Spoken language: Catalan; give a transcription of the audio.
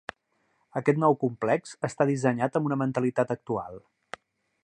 Aquest nou complex està dissenyat amb una mentalitat actual.